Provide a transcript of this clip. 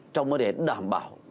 trong mơ đến đảm bảo